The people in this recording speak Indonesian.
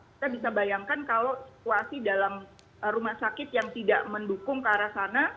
kita bisa bayangkan kalau situasi dalam rumah sakit yang tidak mendukung ke arah sana